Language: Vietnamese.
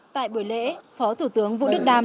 tại buổi lễ phó thủ tướng vũ đức đam